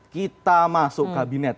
kita masuk kabinet